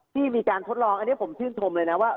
ที่มีการทดลองอันนี้ผมชื่นชมเลยนะว่า